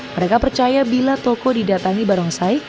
mereka percaya bila toko didatangi barongsai